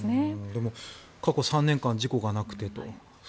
でも、過去３年間事故がなくてと。